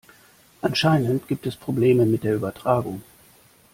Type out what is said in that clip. Anscheinend gibt es Probleme mit der Übertragung.